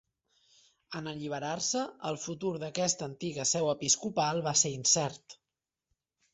En alliberar-se, el futur d'aquesta antiga seu episcopal va ser incert.